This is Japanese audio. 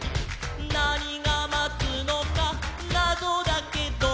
「なにがまつのかなぞだけど」